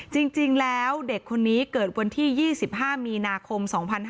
จริงแล้วเด็กคนนี้เกิดวันที่๒๕มีนาคม๒๕๕๙